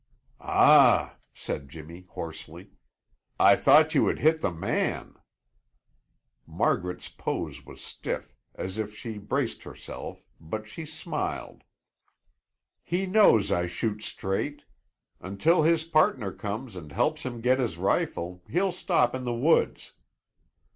"Ah!" said Jimmy hoarsely. "I thought you had hit the man!" Margaret's pose was stiff, as if she braced herself, but she smiled. "He knows I shoot straight. Until his partner comes and helps him get his rifle, he'll stop in the woods."